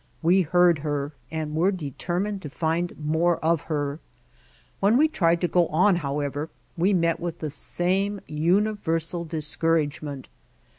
We heard her and were determined to find more of her. When we tried to go on, however, we met with the same universal discouragement.